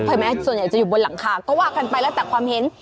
แม้ส่วนใหญ่จะอยู่บนหลังคาก็ว่ากันไปแล้วแต่ความเห็น